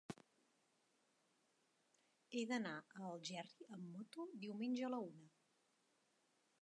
He d'anar a Algerri amb moto diumenge a la una.